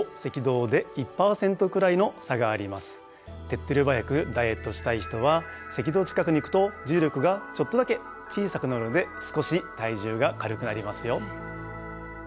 手っとり早くダイエットしたい人は赤道近くに行くと重力がちょっとだけ小さくなるので少し体重が軽くなりますよ。